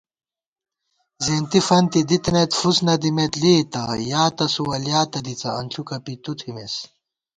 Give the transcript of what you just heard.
زِیَنتی فنتی دِتنَئیت فُس نہ دِمېت لېئیتہ * یا تسُو ولیاتہ دِڅہ انݪُکہ پی تُو تھِمېس